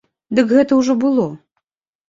Дык гэта ўжо было.